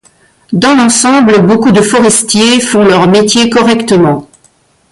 Dans l’ensemble beaucoup de forestiers font leur métier correctement.